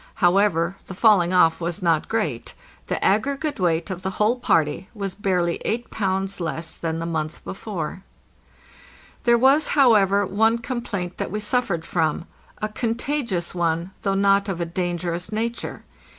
However, the falling off was not great; the aggregate weight of the whole party was barely 8 pounds less than the month before. ed There was, however, one complaint that we suffered from—a contagious one, though not of a dangerous nature.